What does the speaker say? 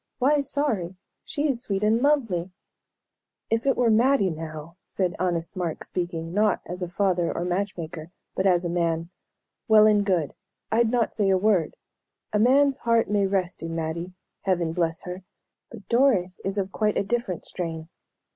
Why sorry? She is sweet and lovely!" "If it were Mattie, now," said honest Mark, speaking, not as a father or match maker, but as a man. "Well and good. I'd not say a word. A man's heart may rest in Mattie Heaven bless her! But Doris is of quite a different strain.